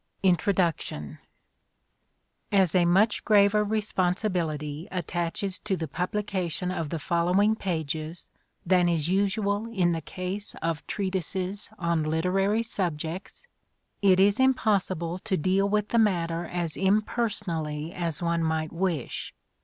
12 INTRODUCTION As a much graver responsibility attaches to the publication of the following pages than is usual in the case of treatises on literary subjects, it is impossible to deal with the matter as impersonally as one might wish.